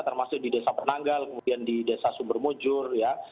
termasuk di desa penanggal kemudian di desa sumbermujur ya